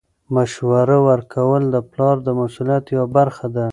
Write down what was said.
مشوره ورکول د پلار د مسؤلیت یوه برخه ده.